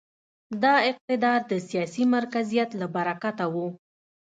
دا اقتدار د سیاسي مرکزیت له برکته و.